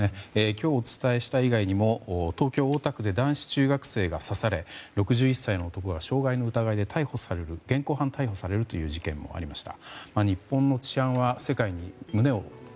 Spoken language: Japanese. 今日お伝えした以外にも東京・大田区で男子中学生が刺され６１歳の男が傷害の疑いで現行犯逮捕されるという事件もありました。